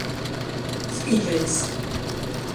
Spīdžeļs.